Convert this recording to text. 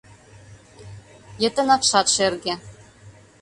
Йытын акшат шерге.